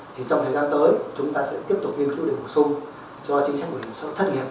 thì trong thời gian tới chúng ta sẽ tiếp tục nghiên cứu để bổ sung cho chính sách bảo hiểm xã hội thất nghiệp